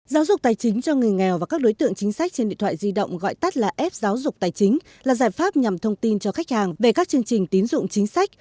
giáo dục tài chính cho người nghèo và các đối tượng chính sách trên điện thoại di động gọi tắt là f giáo dục tài chính là giải pháp nhằm thông tin cho khách hàng về các chương trình tín dụng chính sách